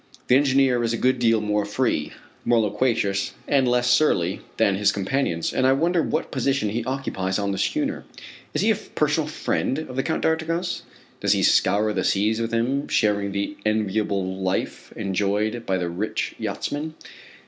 The engineer is a good deal more free, more loquacious and less surly than his companions, and I wonder what position he occupies on the schooner. Is he a personal friend of the Count d'Artigas? Does he scour the seas with him, sharing the enviable life enjoyed by the rich yachtsman?